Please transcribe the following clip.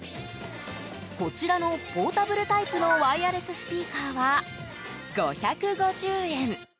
こちらのポータブルタイプのワイヤレススピーカーは５５０円。